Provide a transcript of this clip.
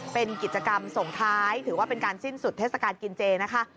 เป็นกิจกรรมส่งท้ายถือว่าเป็นการสิ้นสุดเทศกาลกินเจนะคะ